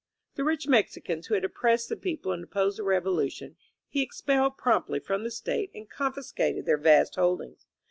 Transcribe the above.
The rich Mexicans who had oppressed the people and opposed the Revolution, he expelled promptly from the State and confiscated their vast holdings.